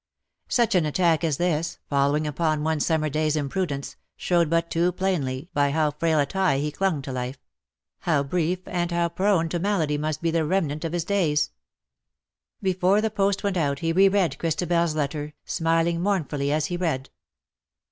Such an attack as this, following upon one summer day^s imprudence, showed but too plainly by how frail a tie he clung to life — how brief and ^^ LET ME AND MY PASSIONATE LOVE GO BY." 13 how prone to malady must be the remnant of his days. Before the post went out he re read Christabel's letter^ smiling mournfully as he read.